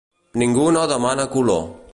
Ningú no demana color.